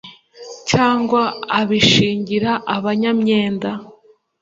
cyangwa abīshingira abanyamyenda